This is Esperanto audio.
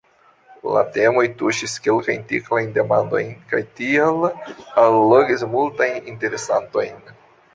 La temoj tuŝis kelkajn tiklajn demandojn, kaj tial allogis multajn interesantojn.